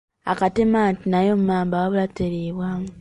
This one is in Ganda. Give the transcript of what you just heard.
Akatemanti nayo mmamba wabula teriibwa.